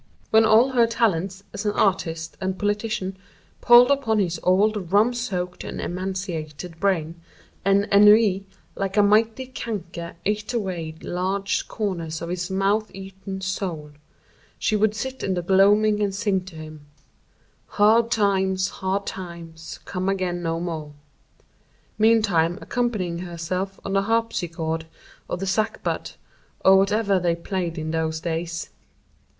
When all her talents as an artiste and politician palled upon his old rum soaked and emaciated brain, and ennui, like a mighty canker, ate away large corners of his moth eaten soul, she would sit in the gloaming and sing to him, "Hard Times, Hard Times, Come Again No More," meantime accompanying herself on the harpsichord or the sackbut or whatever they played in those days.